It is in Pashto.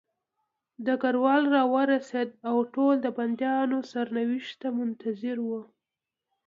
ډګروال راورسېد او ټول د بندیانو سرنوشت ته منتظر وو